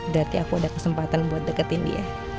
berarti aku ada kesempatan buat deketin dia